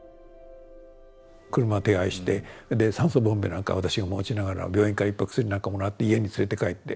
車手配して酸素ボンベなんか私が持ちながら病院からいっぱい薬なんかもらって家に連れて帰って。